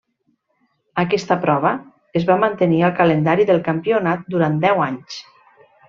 Aquesta prova es va mantenir al calendari del campionat durant deu anys.